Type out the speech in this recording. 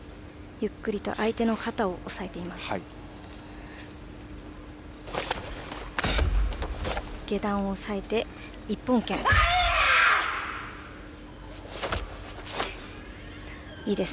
ゆっくり相手の肩を押さえています。